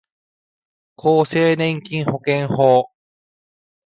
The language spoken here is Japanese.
厚生年金保険法